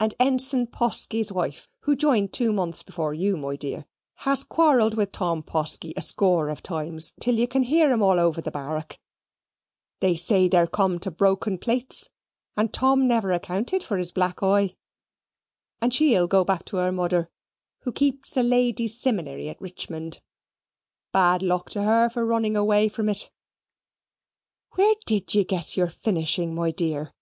And Ensign Posky's wife, who joined two months before you, my dear, has quarl'd with Tom Posky a score of times, till you can hear'm all over the bar'ck (they say they're come to broken pleets, and Tom never accounted for his black oi), and she'll go back to her mother, who keeps a ladies' siminary at Richmond bad luck to her for running away from it! Where did ye get your finishing, my dear?